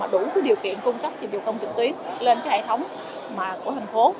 đủ cái điều kiện cung cấp dịch vụ công trực tuyến lên hệ thống của thành phố